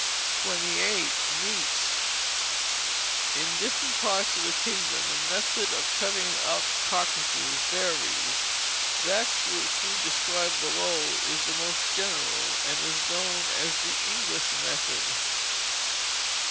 28. Meats. In different parts of the kingdom the method of cutting up carcases varies. That which we describe below is the most general, and is known as the English method.